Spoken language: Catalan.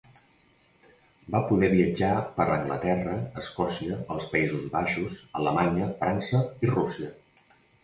Va poder viatjar per Anglaterra, Escòcia, els Països Baixos, Alemanya, França i Rússia.